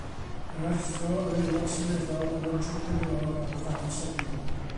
Yr athro, yr Aelod Seneddol, yr entrepreneur a'r fam sengl.